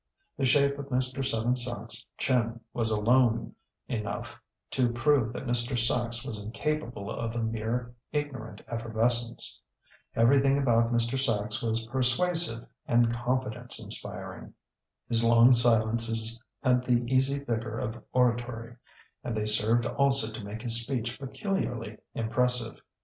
The shape of Mr. Seven Sachs' chin was alone enough to prove that Mr. Sachs was incapable of a mere ignorant effervescence. Everything about Mr. Sachs was persuasive and confidence inspiring. His long silences had the easy vigour of oratory, and they served also to make his speech peculiarly impressive.